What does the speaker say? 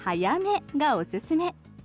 何事も早めがおすすめ。